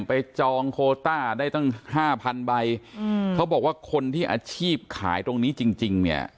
ไปจองโครตาได้ตั้ง๕๐๐๐ใบเขาบอกว่าคนที่อาชีพขายตรงนี้จริง